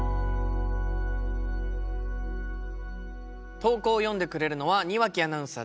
投稿を読んでくれるのは庭木アナウンサーです。